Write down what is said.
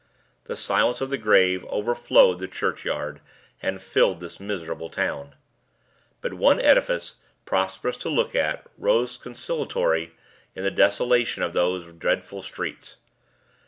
The silence of the grave overflowed the churchyard, and filled this miserable town. But one edifice, prosperous to look at, rose consolatory in the desolation of these dreadful streets.